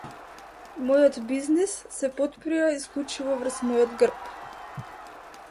Мојот бизнис се потпира исклучиво врз мојот грб.